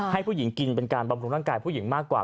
ให้ผู้หญิงกินเป็นการบำรุงร่างกายผู้หญิงมากกว่า